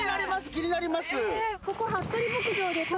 気になります。